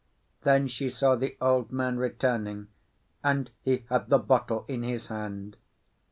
Then she saw the old man returning, and he had the bottle in his hand.